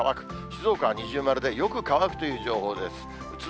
静岡は二重丸でよく乾くという情報です。